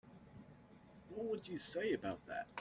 What would you say about that?